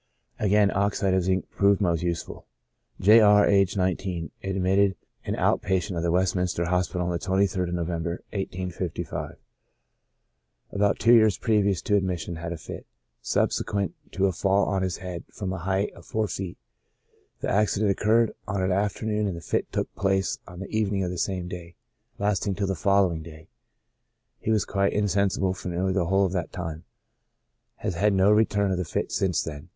Again oxide of zinc proved most useful. J. R —, aged 19, admitted an out patient of the Westminster Hospital on the 23d Novem ber, 1855. About two years previous to admission had a TREATMENT. 97 fit, subsequent to a fall on his head from a height of four feet. The accident occurred on an afternoon and the fit took place on the evening of the same day, lasting till the following day ; he was quite insensible for nearly the whole of that time ; has had no return of the fits since then.